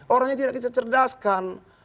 orangnya tidak bisa dicerdaskan